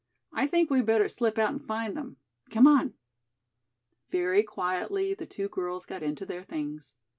I think we'd better slip out and find them. Come on." Very quietly the two girls got into their things.